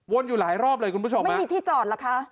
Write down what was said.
อยู่หลายรอบเลยคุณผู้ชมไม่มีที่จอดเหรอคะ